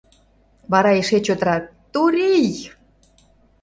Вара эше чотрак: — Турий!!!